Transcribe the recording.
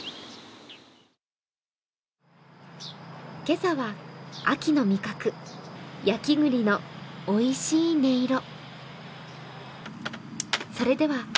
今朝は、秋の味覚焼きぐりのおいしい音色。